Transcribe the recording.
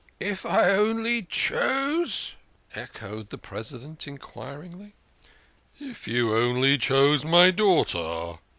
" If I only chose?" echoed the President enquiringly. " If you only chose my daughter.